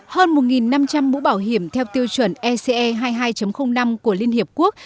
hơn một năm trăm linh mũ bảo hiểm theo tiêu chuẩn ece hai mươi hai năm của liên hiệp quốc